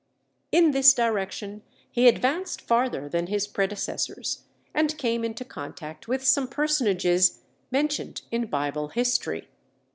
In this direction he advanced farther than his predecessors, and came into contact with some personages mentioned in Bible history.